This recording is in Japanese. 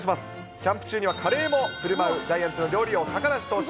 キャンプ中にはカレーもふるまうジャイアンツの料理王、高梨投手